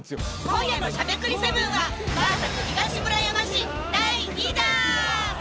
今夜のしゃべくり００７はＶＳ東村山市第２弾。